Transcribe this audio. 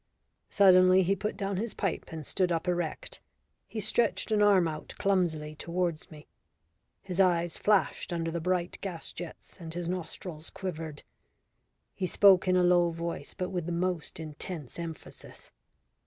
Suddenly he put down his pipe and stood up erect. He stretched an arm out clumsily towards me. His eyes flashed under the bright gas jets, and his nostrils quivered. He spoke in a low voice but with the most intense emphasis.